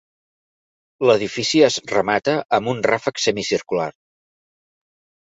L'edifici es remata amb un ràfec semicircular.